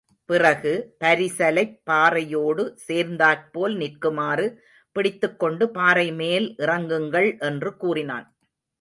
பிறகு, பரிசலைப் பாறையோடு சேர்ந்தாற்போல் நிற்குமாறு பிடித்துக்கொண்டு, பாறை மேல் இறங்குங்கள் என்று கூறினான்.